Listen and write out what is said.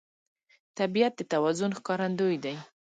طبیعت د توازن ښکارندوی دی.